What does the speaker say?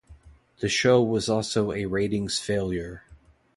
The show was also a ratings failure.